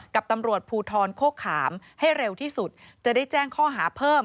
กับตำรวจภูทรโคขามให้เร็วที่สุดจะได้แจ้งข้อหาเพิ่ม